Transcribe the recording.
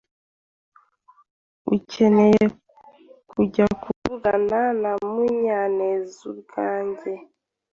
Ukeneye ko njya kuvugana na Munyanezubwanjye?